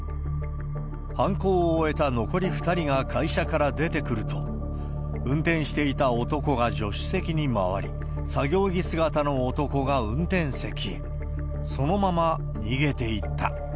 犯行を終えた残り２人が会社から出てくると、運転していた男が助手席に回り、作業着姿の男が運転席へ、そのまま逃げていった。